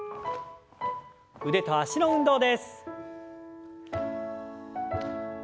腕と脚の運動です。